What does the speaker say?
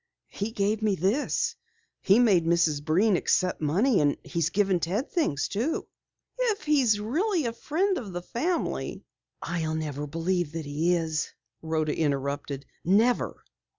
"He gave me this. He made Mrs. Breen accept money, and he's giving Ted things too." "If he's really a friend of the family " "I'll never believe that he is," Rhoda interrupted. "Never!"